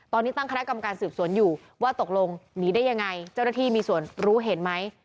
ตอนนี้ตั้งคณะกรรมการสืบสวนอยู่ว่าตกลงหนีได้ยังไงเจ้าหน้าที่มีส่วนรู้เห็นไหม